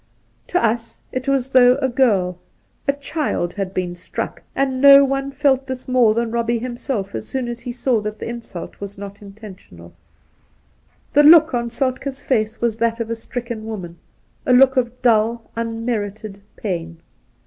To us it was as though a girl, a child, had been struck, and no one felt this more than Robbie himself, as soon as he saw that the insult was not intentional. The 54 Soltke look on Soltk^'s face was that of a stricken woman, a look of dull, unmerited pain.